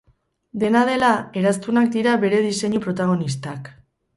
Dena dela, eraztunak dira bere diseinu protagonistak.